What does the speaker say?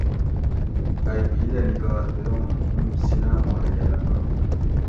اۓ بھیدہ نِکاس بیروں ھِیم سیناۤ ما رکہ لنگنت